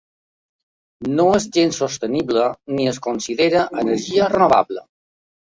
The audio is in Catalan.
No és gens sostenible ni es considera energia renovable.